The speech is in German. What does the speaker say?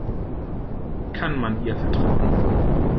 Kann man ihr vertrauen?